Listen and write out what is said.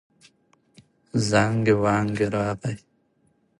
زانګې وانګې راغی.